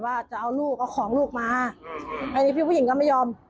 ว่าจะเอาของลูกมาแต่พี่ผู้หญิงก็ไม่ยอม